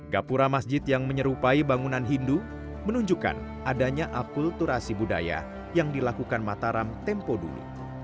gapura masjid yang menyerupai bangunan hindu menunjukkan adanya akulturasi budaya yang dilakukan mataram tempo dulu